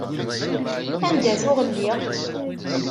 Anda tuɣ lliɣ?